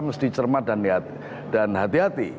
mesti cermat dan hati hati